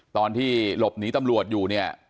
ตอนที่หลบหนีตำรวจอยู่